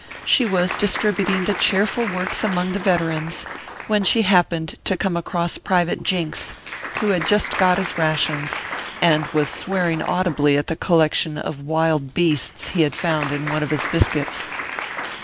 She was distributing the cheerful works among the veterans, when she happened to to come across Private Jinks, who had just got his ORPHEUS C. KERR PAPERS. 281 rations, and was swearing audibly at the collection of wild beasts he had found in one of his biscuits.